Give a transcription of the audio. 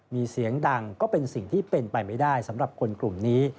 มีเสียงดังก็เป็นสิ่งที่เป็นไปไม่ได้สำหรับคนกลุ่มนี้